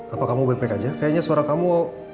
apa kamu baik baik aja kayaknya suara kamu